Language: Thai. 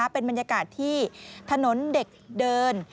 เป็นบรรยากาศที่ถนนเด็กเดิน